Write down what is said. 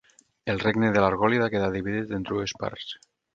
El regne de l'Argòlida quedà dividit en dues parts.